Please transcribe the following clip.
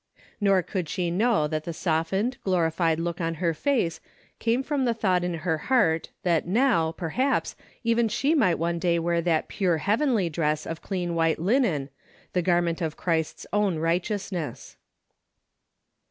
Hor could she know that the softened, glori fied look on her face came from the thought in her heart that now, perhaps, even she might one day wear that pure heavenly dress of clean white linen, the garment of Christ's own right eousness.